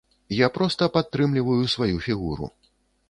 Я проста падтрымліваю сваю фігуру.